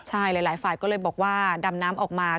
ใช่หลายฝ่ายก็เลยบอกว่าดำน้ำออกมา